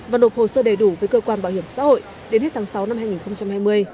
và nộp hồ sơ đầy đủ với cơ quan bảo hiểm xã hội đến hết tháng sáu năm hai nghìn hai mươi